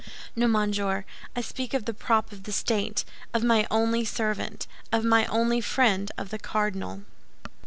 "No, monsieur; I speak of the prop of the state, of my only servant, of my only friend—of the cardinal."